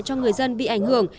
cho người dân bị ảnh hưởng